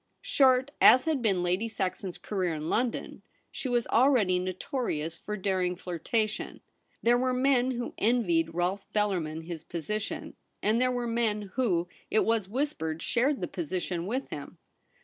Short as had been Lady Saxon's career in London, she was already notorious for daring flirtation. There were men who envied Rolfe Bellarmin his position, and there were men who, it was whispered, shared the posi tion with him.